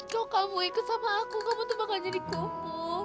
coba kamu ikut sama aku kamu tuh bakal jadi kupu